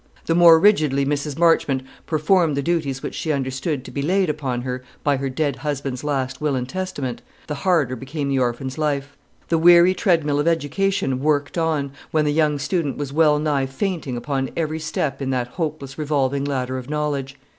The more rigidly Mrs. Marchmont performed the duties which she understood to be laid upon her by her dead husband's last will and testament, the harder became the orphan's life. The weary treadmill of education worked on, when the young student was well nigh fainting upon every step in that hopeless revolving ladder of knowledge.